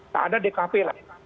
tak ada dkp lah